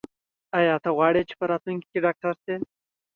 ایا ته غواړې چې په راتلونکي کې ډاکټر شې؟